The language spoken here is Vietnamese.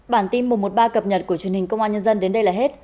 bản tin một trăm một mươi ba cập nhật của truyền hình công an nhân dân đến đây là hết